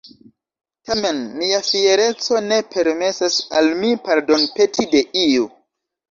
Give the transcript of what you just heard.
Tamen mia fiereco ne permesas al mi pardonpeti de iu.